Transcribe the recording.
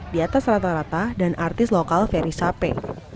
di atas rata rata dan artis lokal verisape